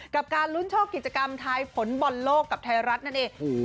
กับการลุ้นโชคกิจกรรมทายผลบอลโลกกับไทยรัฐนั่นเอง